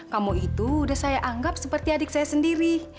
kamu itu udah saya anggap seperti adik saya sendiri